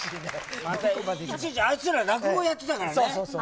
いちいち、あいつら落語やってたからね。